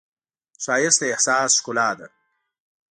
ښایست د احساس ښکلا ده